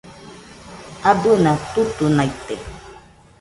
Abɨna tutunaite